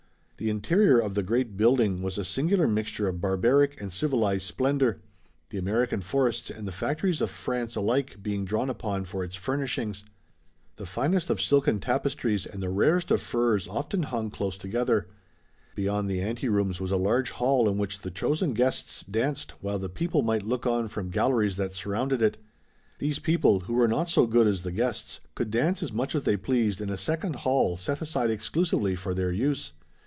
The interior of the great building was a singular mixture of barbaric and civilized splendor, the American forests and the factories of France alike being drawn upon for its furnishings. The finest of silken tapestries and the rarest of furs often hung close together. Beyond the anterooms was a large hall in which the chosen guests danced while the people might look on from galleries that surrounded it. These people, who were not so good as the guests, could dance as much as they pleased in a second hall set aside exclusively for their use.